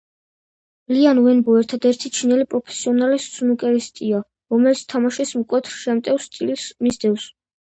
ლიან ვენბო ერთადერთი ჩინელი პროფესიონალი სნუკერისტია, რომელიც თამაშის მკვეთრ შემტევ სტილს მისდევს.